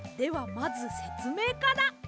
まずせつめいから。